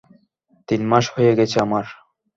তিন মাস হয়ে গেছে আমার।